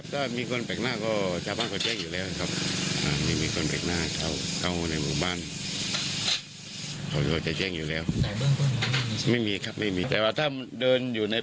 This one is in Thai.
ได้แหละตลอดมันเข้าจังหวัดสงสาก็ได้